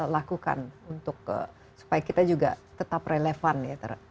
lakukan untuk supaya kita juga tetap relevan ya